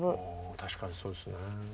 確かにそうですね。